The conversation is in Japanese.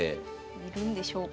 いるんでしょうか。